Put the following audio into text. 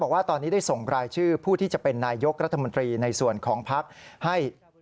บอกว่าตอนนี้ได้ส่งรายชื่อผู้ที่จะเป็นนายยกรัฐมนตรีในส่วนของพักให้